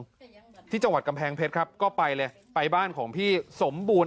สามตะบนคุยบ้านโอ่งที่จังหวัดกำแพงเพชรครับก็ไปเลยไปบ้านของพี่สมบูรณ์